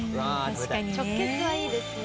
本仮屋：直結はいいですね。